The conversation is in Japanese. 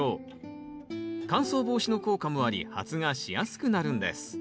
乾燥防止の効果もあり発芽しやすくなるんです。